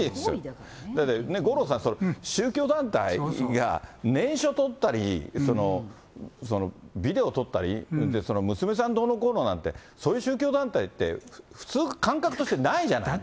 だって五郎さん、宗教団体が念書取ったり、ビデオ撮ったり、娘さんどうのこうのなんて、そういう宗教団体って、普通、感覚として、ないじゃない。